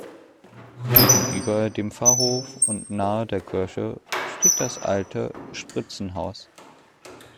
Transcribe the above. Gegenüber dem Pfarrhof und nahe der Kirche steht das alte Spritzenhaus.